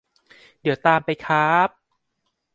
เดี๋ยวตามไปค้าบ !